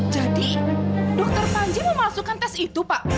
jadi dr panji memalsukan tes itu pak